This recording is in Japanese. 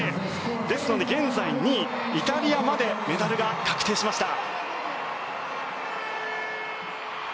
ですので現在２位イタリアまでメダルが確定しました。